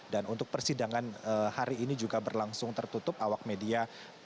dan untuk persidangan hari ini juga berlangsung tertutup awak media